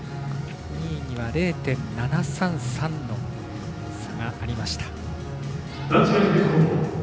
２位には０．７３３の差がありました。